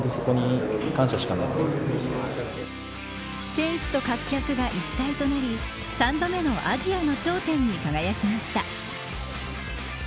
選手と観客が一体となり３度目のアジアの頂点に輝きました。